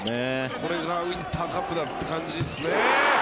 これがウインターカップだって感じですね。